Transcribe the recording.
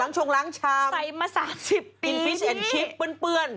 ล้างชงล้างชามอุ๊ยอินฟิชแอนด์ชิปเปื้อนใส่มา๓๐ปีที่